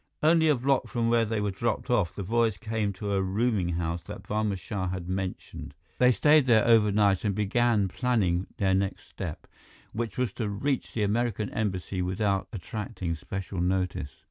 Only a block from where they were dropped off, the boys came to a rooming house that Barma Shah had mentioned. They stayed there overnight and began planning their next step, which was to reach the American Embassy without attracting special notice.